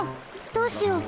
どうしよう！